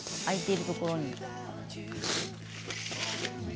空いているところに。